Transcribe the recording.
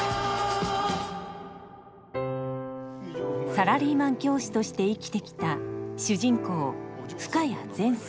サラリーマン教師として生きてきた主人公深谷善輔。